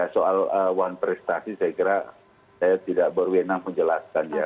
soal one prestasi saya kira saya tidak berwenang menjelaskan ya